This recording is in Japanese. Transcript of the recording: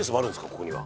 ここには。